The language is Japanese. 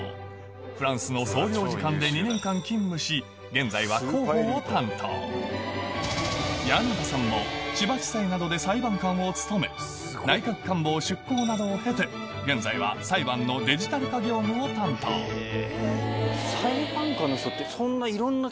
フランスの総領事館で２年間勤務し現在は広報を担当簗田さんも千葉地裁などで裁判官を務め内閣官房出向などを経て現在は裁判のデジタル化業務を担当裁判官の人ってそんないろんな経験を。